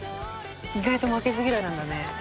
「意外と負けず嫌いなんだね」